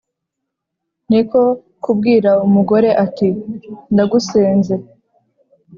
Ni ko kubwira umugore ati: “ndagusenze